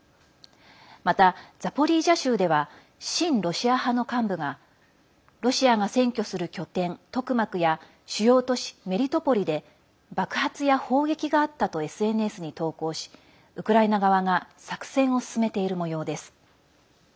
また、ザポリージャ州では親ロシア派の幹部がロシアが占拠する拠点トクマクや主要都市メリトポリで爆発や砲撃があったとＳＮＳに投稿しウクライナ側が作戦を進めているもようです。